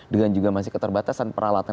dengan juga masih keterbatasan peralatan